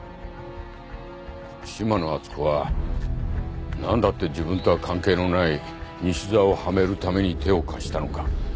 島野篤子は何だって自分とは関係のない西沢をはめるために手を貸したのか。